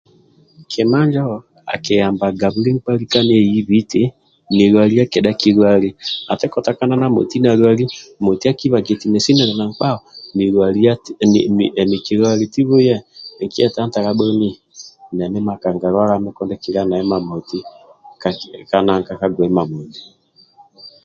Kima njo akiyambaga buli mkpa lika neibhi ti nilwaliya kedhatu kilwali ati katakana moti na lwali moti akibhaga ati nesi nili na mkpa o emi kikwali ti bhuye nikye tantala boni nemi makanga lwala mi ngoku kilya naye mamoti ka gweima moti